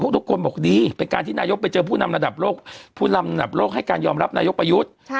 ทุกคนบอกดีเป็นการที่นายกไปเจอผู้นำระดับโลกผู้นำระดับโลกให้การยอมรับนายกประยุทธ์